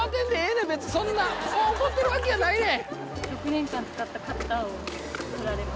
別にそんな怒ってるわけやないねん。